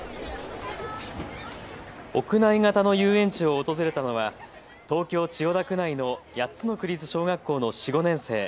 屋内型の遊園地を訪れたのは東京千代田区内の８つの区立小学校の４、５年生